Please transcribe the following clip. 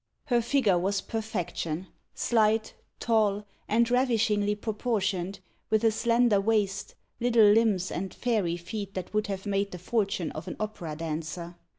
Her figure was perfection slight, tall, and ravishingly proportioned, with a slender waist, little limbs, and fairy feet that would have made the fortune of an opera dancer.